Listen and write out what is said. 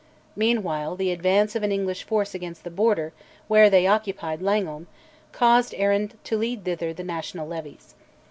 Meanwhile the advance of an English force against the Border, where they occupied Langholm, caused Arran to lead thither the national levies.